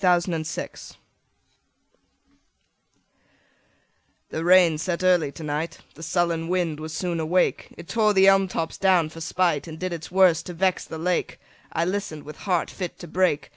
Porphyria's Lover THE rain set early in to night, The sullen wind was soon awake, It tore the elm tops down for spite, And did its worst to vex the lake: I listen'd with heart fit to break.